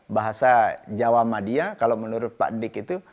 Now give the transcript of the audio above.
bahasa jawa madia kalau menurut pak dik itu